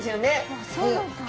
あっそうなんだ。